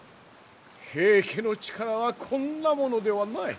平家の力はこんなものではない。